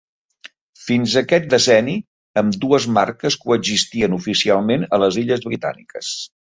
Fins aquest decenni, ambdues marques coexistien oficialment a les Illes Britàniques.